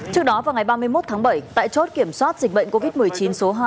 trước đó vào ngày ba mươi một tháng bảy tại chốt kiểm soát dịch bệnh covid một mươi chín số hai